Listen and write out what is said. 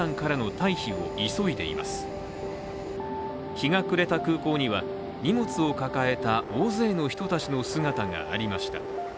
日が暮れた空港には、荷物を抱えた大勢の人たちの姿がありました。